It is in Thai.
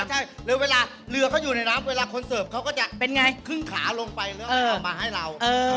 ใช่เลยเวลาเหลือเขาอยู่ในน้ำเวลาคนเสิร์ฟเขาก็จะขึ้นขาลงไปแล้วเอามาให้เรา